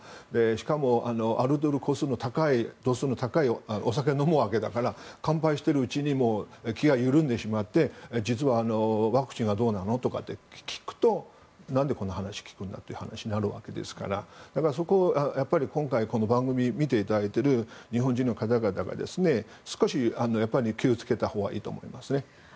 しかも、アルコール度数の高いお酒を飲むわけだから乾杯しているうちにも気が緩んでしまって実はワクチンはどうなのとかって聞くと何でこんな話を聞くんだとなるわけですから今回番組を見ていただいている日本人の方々は少し気を付けたほうがいいと思います。